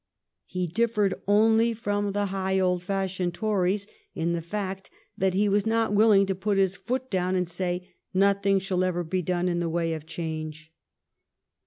He differed only from the high old fashioned Tories in the fact that he was not willing to put his foot down and say, Nothing shall ever be done in the way of change.